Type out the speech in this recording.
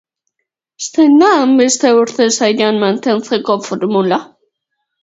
Zein da hainbeste urtez airean mantentzeko formula?